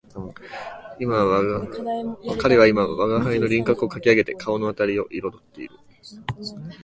彼は今吾輩の輪廓をかき上げて顔のあたりを色彩っている